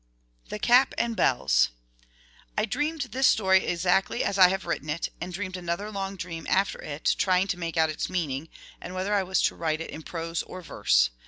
The Cap and Bells. I DREAMED this story exactly as I have writ ten it, and dreamed another long dream after 94 it, trying to make out its meaning, and whether I was to write it in prose or verse.